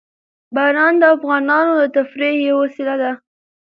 باران د افغانانو د تفریح یوه وسیله ده.